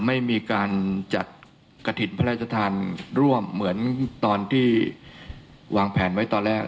ไม่มีการจัดกระถิ่นพระราชทานร่วมเหมือนตอนที่วางแผนไว้ตอนแรก